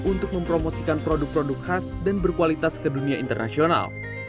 untuk mempromosikan produk produk khas dan berkualitas ke dunia internasional